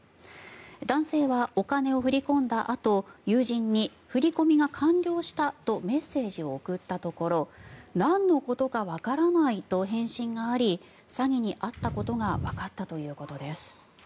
男性はお金を振り込んだあと友人に振り込みが完了したとメッセージを送ったところなんのことかわからないと返信があり詐欺に遭ったことがわかったということです。